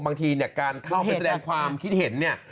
บางทีเนี่ยการเข้าไปแสดงความคิดเห็นเนี่ย